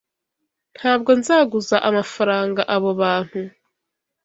Ntabwo nzaguza amafaranga abo bantu.